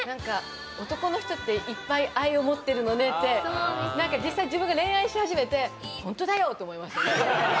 「男の人っていっぱい愛を持ってるのね」って実際、自分が恋愛し始めて本当だよ！と思いました。